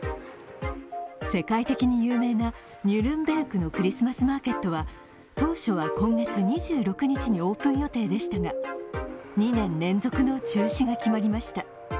世界的に有名なニュルンベルクのクリスマスマーケットは当初は今月２６日にオープン予定でしたが、２年連続の中止が決まりました。